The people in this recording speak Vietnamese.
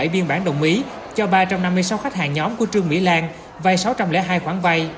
bốn trăm tám mươi bảy biên bản đồng ý cho ba trăm năm mươi sáu khách hàng nhóm của trương mỹ lan vay sáu trăm linh hai khoản vay